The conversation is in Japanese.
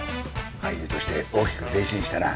俳優として大きく前進したな。